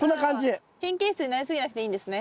神経質になり過ぎなくていいんですね。